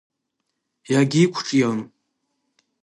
Иагьиқәҿион.